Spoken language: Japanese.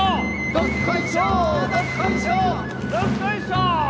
どっこいしょー